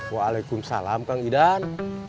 waalaikumsalam kang idan